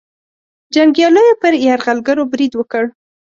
جنګیالیو پر یرغلګرو برید وکړ.